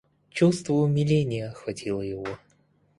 Чувство умиления охватило его.